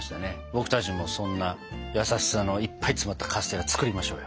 僕たちもそんな優しさのいっぱい詰まったカステラ作りましょうよ。